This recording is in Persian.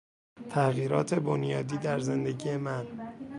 تغییرات بنیادی در زندگی من